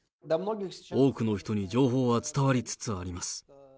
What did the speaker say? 多くの人に情報は伝わりつつあります。